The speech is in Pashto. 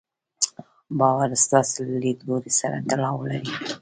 باور ستاسې له ليدلوري سره تړاو لري.